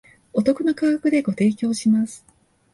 お得な価格でご提供します